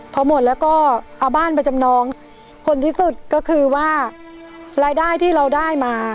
พอหมดแล้วก็เอาบ้านไปจำนองผลที่สุดก็คือว่ารายได้ที่เราได้มา